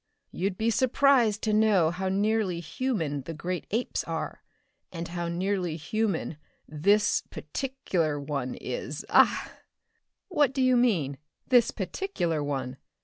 You'd be surprised to know how nearly human the great apes are, and how nearly human this particular one is. Ah!" "What do you mean, this particular one?"